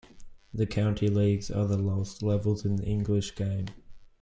The county leagues are the lowest levels in the English game.